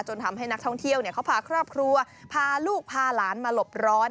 ทำให้นักท่องเที่ยวเขาพาครอบครัวพาลูกพาหลานมาหลบร้อน